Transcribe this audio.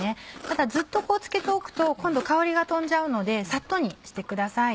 ただずっと漬けておくと今度香りが飛んじゃうのでサッとにしてください。